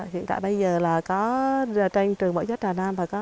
hiện tại bây giờ là có tranh trường mẫu giáo trà nam và có tranh năm mươi rồi